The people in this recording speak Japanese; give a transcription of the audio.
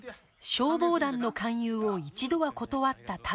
消防団の勧誘を一度は断った太郎だが